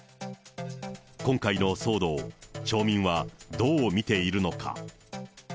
今回の騒動、町民はどう見ているのか。